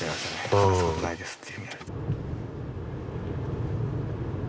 話すことないですって。